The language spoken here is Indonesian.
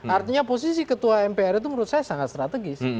artinya posisi ketua mpr itu menurut saya sangat strategis